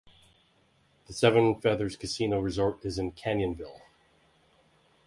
The Seven Feathers Casino Resort is in Canyonville.